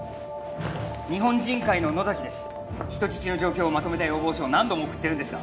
日本人会の野崎です、人質の状況をまとめた要望書を何度も送ってるんですが。